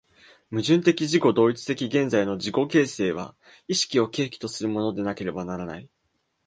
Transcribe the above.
矛盾的自己同一的現在の自己形成は意識を契機とするものでなければならない。